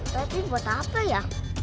tapi buat apa ya